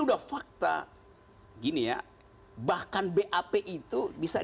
udah fakta gini ya bahkan bap itu bisa